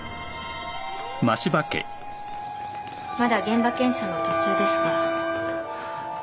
まだ現場検証の途中ですが。